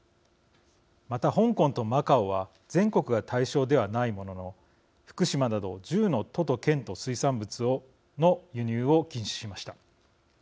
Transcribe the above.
また、香港とマカオは全国が対象ではないものの福島など１０の都と県の水産物の輸入を禁止しました。